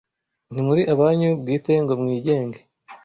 Ntimuri abanyu bwite ngo mwigenge